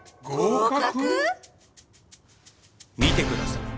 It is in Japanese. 見てください。